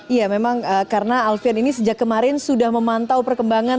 iya memang karena alfian ini sejak kemarin sudah memantau perkembangan